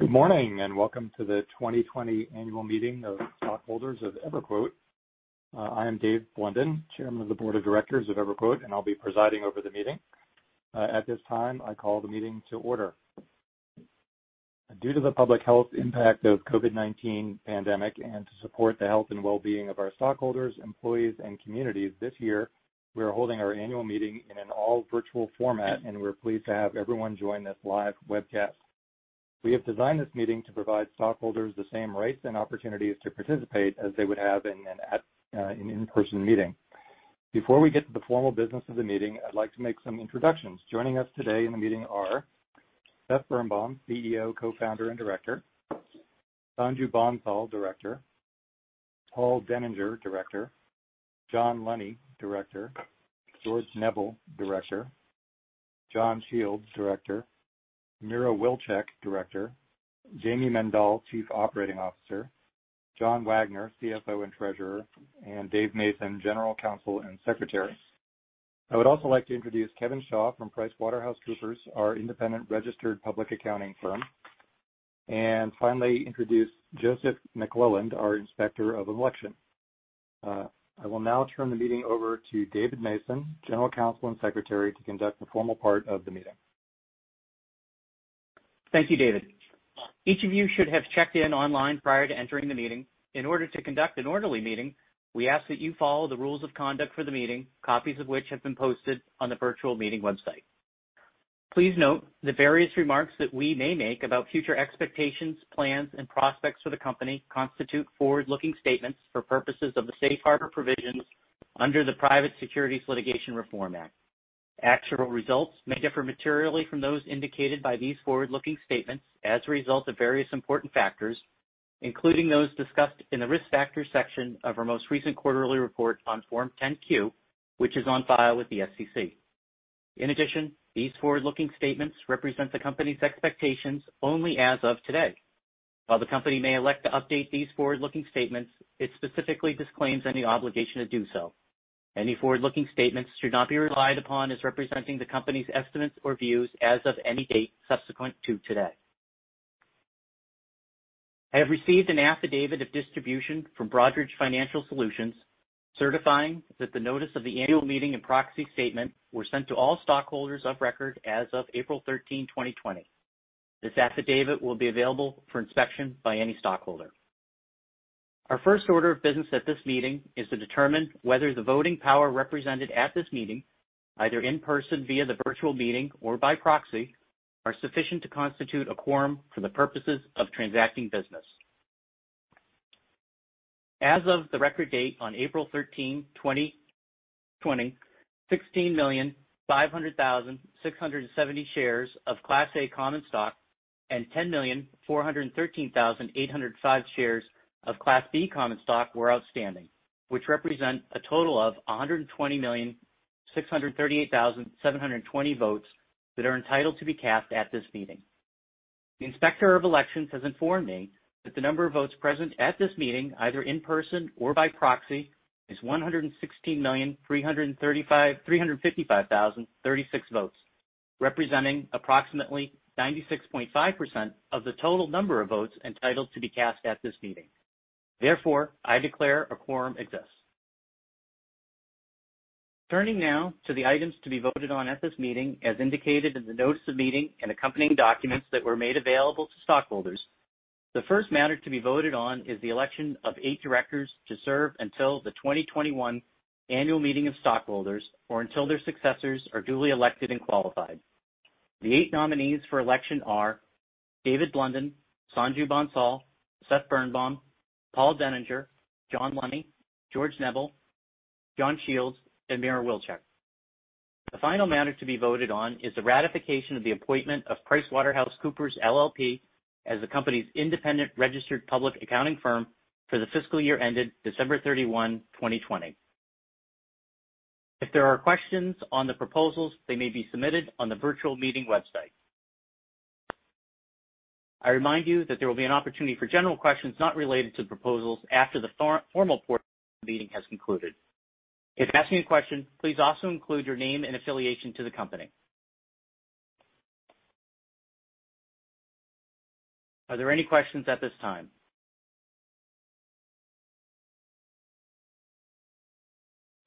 Good morning, and welcome to the 2020 annual meeting of stockholders of EverQuote. I am Dave Blundin, Chairman of the Board of Directors of EverQuote, and I'll be presiding over the meeting. At this time, I call the meeting to order. Due to the public health impact of COVID-19 pandemic and to support the health and wellbeing of our stockholders, employees, and communities this year, we are holding our annual meeting in an all virtual format, and we're pleased to have everyone join this live webcast. We have designed this meeting to provide stockholders the same rights and opportunities to participate as they would have in an in-person meeting. Before we get to the formal business of the meeting, I'd like to make some introductions. Joining us today in the meeting are Seth Birnbaum, CEO, Co-Founder, and Director. Sanju Bansal, Director. Paul Deninger, Director. John Lunny, Director. George Neble, Director. John Shields, Director. Mira Wilczek, Director. Jayme Mendal, Chief Operating Officer. John Wagner, CFO and Treasurer, and Dave Mason, General Counsel and Secretary. I would also like to introduce Kevin Shaw from PricewaterhouseCoopers, our independent registered public accounting firm, and finally introduce Joseph McClelland, our Inspector of Election. I will now turn the meeting over to Dave Mason, General Counsel and Secretary, to conduct the formal part of the meeting. Thank you, Dave. Each of you should have checked in online prior to entering the meeting. In order to conduct an orderly meeting, we ask that you follow the rules of conduct for the meeting, copies of which have been posted on the virtual meeting website. Please note the various remarks that we may make about future expectations, plans, and prospects for the company constitute forward-looking statements for purposes of the safe harbor provisions under the Private Securities Litigation Reform Act. Actual results may differ materially from those indicated by these forward-looking statements as a result of various important factors, including those discussed in the Risk Factors section of our most recent quarterly report on Form 10-Q, which is on file with the SEC. These forward-looking statements represent the company's expectations only as of today. While the company may elect to update these forward-looking statements, it specifically disclaims any obligation to do so. Any forward-looking statements should not be relied upon as representing the company's estimates or views as of any date subsequent to today. I have received an affidavit of distribution from Broadridge Financial Solutions certifying that the notice of the annual meeting and proxy statement were sent to all stockholders of record as of April 13, 2020. This affidavit will be available for inspection by any stockholder. Our first order of business at this meeting is to determine whether the voting power represented at this meeting, either in person via the virtual meeting or by proxy, are sufficient to constitute a quorum for the purposes of transacting business. As of the record date on April 13, 2020, 16,500,670 shares of Class A common stock and 10,413,805 shares of Class B common stock were outstanding, which represent a total of 120,638,720 votes that are entitled to be cast at this meeting. The Inspector of Elections has informed me that the number of votes present at this meeting, either in person or by proxy, is 116,355,036 votes, representing approximately 96.5% of the total number of votes entitled to be cast at this meeting. I declare a quorum exist Turning now to the items to be voted on at this meeting, as indicated in the notice of meeting and accompanying documents that were made available to stockholders, the first matter to be voted on is the election of eight directors to serve until the 2021 annual meeting of stockholders or until their successors are duly elected and qualified. The eight nominees for election are Dave Blundin, Sanju Bansal, Seth Birnbaum, Paul Deninger, John Lunny, George Neble, John Shields, and Mira Wilczek. The final matter to be voted on is the ratification of the appointment of PricewaterhouseCoopers LLP as the company's independent registered public accounting firm for the fiscal year ended December 31, 2020. If there are questions on the proposals, they may be submitted on the virtual meeting website. I remind you that there will be an opportunity for general questions not related to the proposals after the formal portion of the meeting has concluded. If asking a question, please also include your name and affiliation to the company. Are there any questions at this time?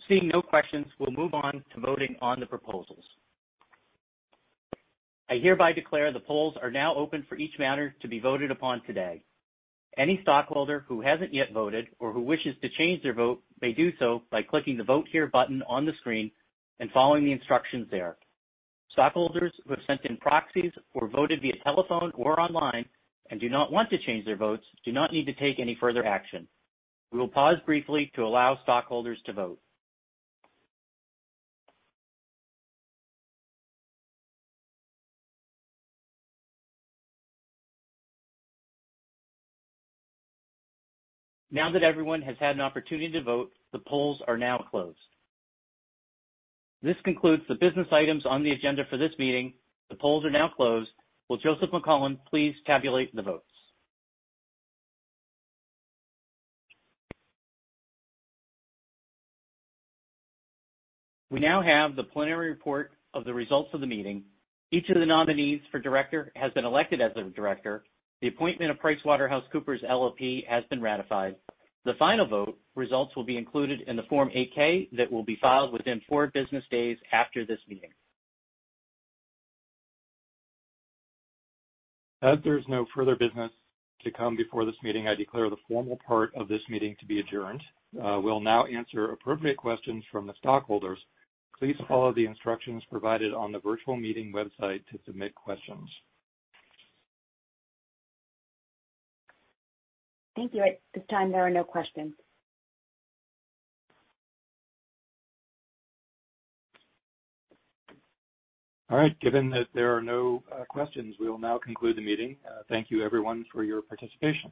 Seeing no questions, we will move on to voting on the proposals. I hereby declare the polls are now open for each matter to be voted upon today. Any stockholder who hasn't yet voted or who wishes to change their vote may do so by clicking the Vote Here button on the screen and following the instructions there. Stockholders who have sent in proxies or voted via telephone or online and do not want to change their votes do not need to take any further action. We will pause briefly to allow stockholders to vote. Now that everyone has had an opportunity to vote, the polls are now closed. This concludes the business items on the agenda for this meeting. The polls are now closed. Will Joseph McClelland please tabulate the votes? We now have the preliminary report of the results of the meeting. Each of the nominees for director has been elected as a director. The appointment of PricewaterhouseCoopers LLP has been ratified. The final vote results will be included in the Form 8-K that will be filed within four business days after this meeting. As there's no further business to come before this meeting, I declare the formal part of this meeting to be adjourned. We'll now answer appropriate questions from the stockholders. Please follow the instructions provided on the virtual meeting website to submit questions. Thank you. At this time, there are no questions. All right. Given that there are no questions, we will now conclude the meeting. Thank you everyone for your participation.